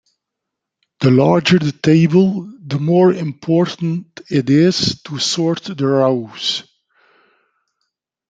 The larger the table, the more important it is to sort the rows.